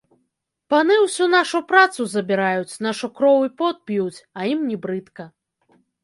Паны ўсю нашу працу забіраюць, нашу кроў і пот п'юць, а ім не брыдка.